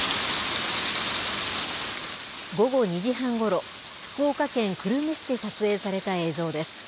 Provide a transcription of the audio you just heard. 午後２時半ごろ福岡県久留米市で撮影された映像です。